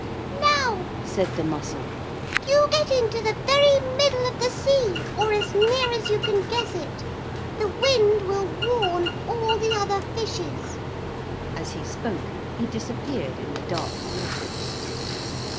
'Now,' said the mussel, 'you get into the very middle of the sea or as near as you can guess it. The wind will warn all the other fishes.' As he spoke he disappeared in the dark waters.